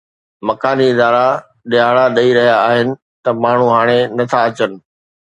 مڪاني ادارا ڏهاڙا ڏئي رهيا آهن ته ماڻهو هاڻي نٿا اچن